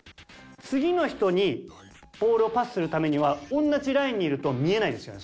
次の人にボールをパスするためには同じラインにいると見えないですよね